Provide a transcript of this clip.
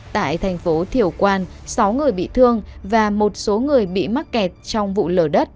tại thành phố thiểu quan sáu người bị thương và một số người bị mắc kẹt trong vụ lở đất